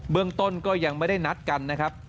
เมืองต้นก็ยังไม่ได้นัดกันนะครับ